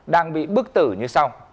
đang bị bức tử như sau